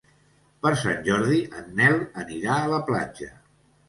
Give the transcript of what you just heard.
Per Sant Jordi en Nel anirà a la platja.